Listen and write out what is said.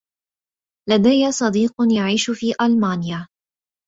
لديّ صديق يعيش في ألمانيا.